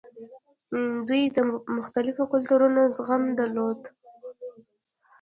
دوی د مختلفو کلتورونو زغم درلود